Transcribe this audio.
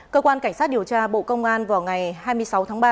cơ quan cảnh sát điều tra bộ công an vào ngày hai mươi sáu tháng ba